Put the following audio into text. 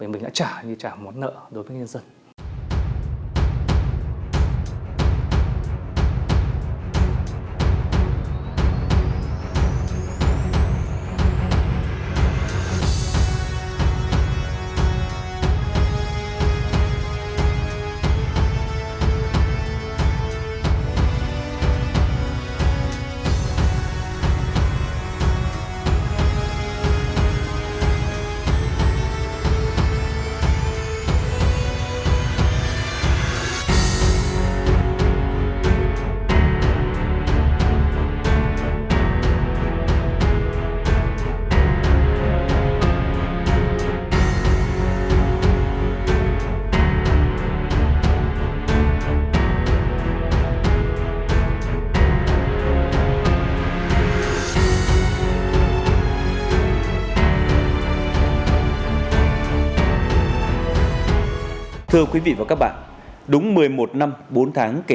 mình đã trả như trả món nợ đối với nhân dân